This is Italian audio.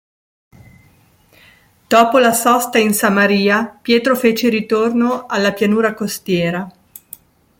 Dopo la sosta in Samaria, Pietro fece ritorno alla pianura costiera.